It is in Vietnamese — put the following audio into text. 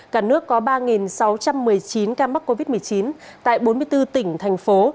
cả nước có ba sáu trăm một mươi chín ca mắc covid một mươi chín tại bốn mươi bốn tỉnh thành phố